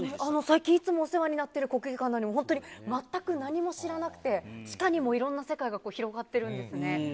最近、いつもお世話になってる国技館なのに、本当に全く何も知らなくて、地下にもいろんな世界が広がってるんですね。